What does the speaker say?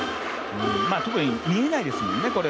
特に見えないですもんね